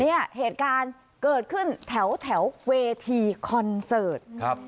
เหตุการณ์เกิดขึ้นแถวเวทีคอนเสิร์ตครับ